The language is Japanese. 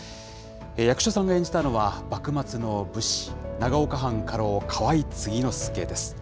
役所さんが演じたのは、幕末の武士、長岡藩家老、河井継之助です。